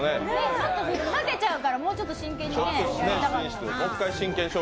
ちょっとふざけちゃうから、もうちょっと真剣にやりたかなっな。